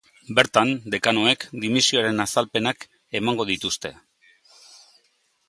Bertan, dekanoek dimisioaren azalpenak emango dituzte.